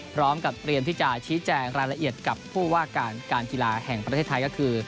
พร้อมกับเตรียมที่จะชี้แจงรายละเอียดกับผู้ว่าการการกีฬาแห่งประเทศไทยก็คือ